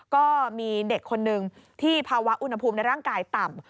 ก็มีเด็กคนนึงที่ภาวะอุณหภูมิในร่างกายต่ำ